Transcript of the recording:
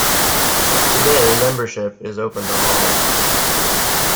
Today, membership is open to all.